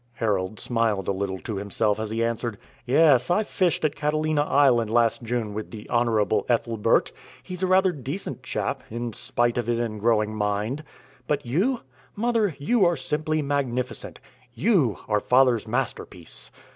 Harold smiled a little to himself as he answered: "Yes, I fished at Catalina Island last June with the Honorable Ethelbert; he's rather a decent chap, in spite of his ingrowing mind. But you? mother, you are simply magnificent! You are father's masterpiece."